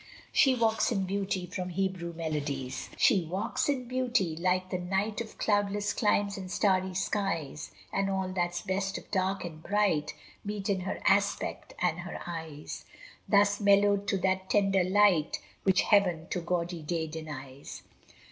SHE WALKS IN BEAUTY From 'Hebrew Melodies' She walks in beauty, like the night Of cloudless climes and starry skies; And all that's best of dark and bright Meet in her aspect and her eyes: Thus mellowed to that tender light Which heaven to gaudy day denies.